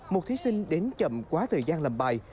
một thí sinh đến chậm quá thời gian làm bài